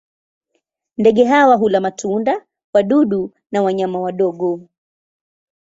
Ndege hawa hula matunda, wadudu na wanyama wadogo.